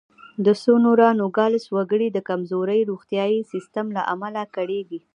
د سونورا نوګالس وګړي د کمزوري روغتیايي سیستم له امله کړېږي.